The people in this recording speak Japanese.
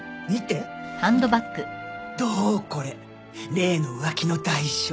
例の浮気の代償。